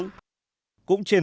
cũng trên tuyến đường này